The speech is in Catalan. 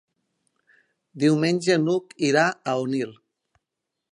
Diumenge n'Hug irà a Onil.